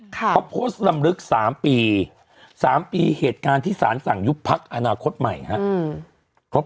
เขาโพสต์ลำลึก๓ปี๓ปีเหตุการณ์ที่สารสั่งยุบพักอนาคตใหม่ครับ